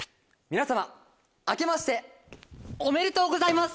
皆様あけましておめでとうございます。